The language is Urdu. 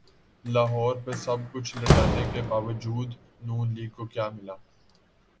لاہور پہ سب کچھ لٹانے کے باوجود ن لیگ کو کیا ملا؟